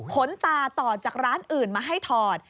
ตาต่อจากร้านอื่นมาให้ถอด